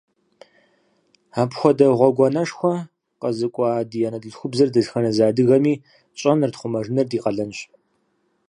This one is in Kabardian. Апхуэдэ гъуэгуанэшхуэ къэзыкӀуа ди анэдэлъхубзэр дэтхэнэ зы адыгэми тщӀэныр, тхъумэжыныр ди къалэнщ.